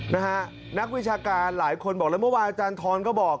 นะฮะนักวิชาการหลายคนบอกแล้วเมื่อวานอาจารย์ทรก็บอก